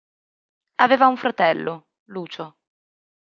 Aveva un fratello, Lucio.